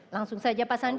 langsung saja pak sandi